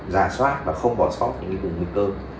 giả soát và không bỏ sót những nguy cơ